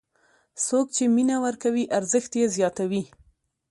څوک چې مینه ورکوي، ارزښت یې زیاتوي.